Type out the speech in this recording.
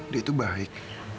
dia itu baik